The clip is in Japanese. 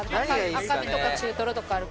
赤身とか中トロとかある。